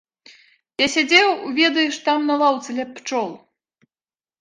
Я сядзеў, ведаеш, там на лаўцы ля пчол.